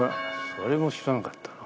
それも知らんかったな。